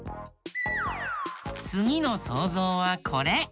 つぎのそうぞうはこれ。